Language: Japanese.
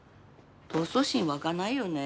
闘争心湧かないよね。